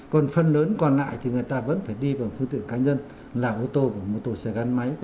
còn phần lớn còn lại thì người ta vẫn phải đi vào phương tiện cá nhân là ô tô và mô tô xe gắn máy